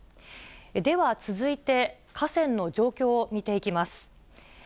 では、続いて河川の状況を見ていきます。